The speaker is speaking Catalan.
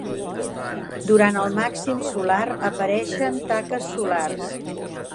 Durant el màxim solar apareixen taques solars.